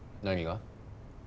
何が？